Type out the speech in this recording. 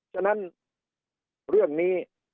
ฉะนั้นเรื่องนี้